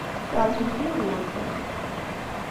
Tkeṛhemt Yugurten.